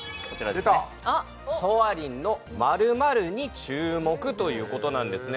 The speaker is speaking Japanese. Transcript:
出た「ソアリンの○○に注目！」ということなんですね